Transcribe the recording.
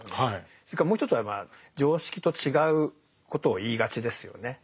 それからもう一つはまあ常識と違うことを言いがちですよね。